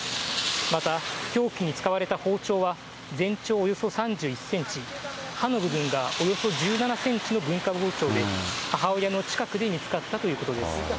また、凶器に使われた包丁は、全長およそ３１センチ、刃の部分がおよそ１７センチの文化包丁で、母親の近くで見つかったということです。